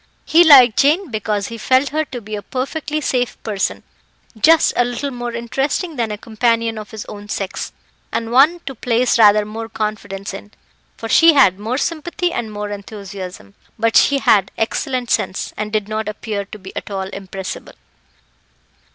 He liked Jane because he felt her to be a perfectly safe person just a little more interesting than a companion of his own sex, and one to place rather more confidence in, for she had more sympathy and more enthusiasm; but she had excellent sense, and did not appear to be at all impressible.